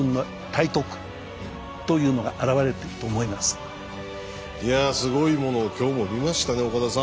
だからいやすごいものを今日も見ましたね岡田さん。